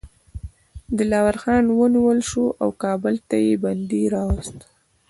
دلاور خان ونیول شو او کابل ته یې بندي راووست.